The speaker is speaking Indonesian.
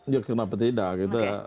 ya kenapa tidak